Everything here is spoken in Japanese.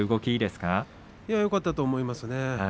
よかったと思います。